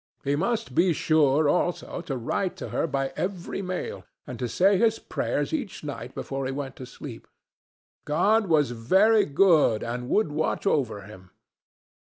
He must be sure, also, to write to her by every mail, and to say his prayers each night before he went to sleep. God was very good, and would watch over him.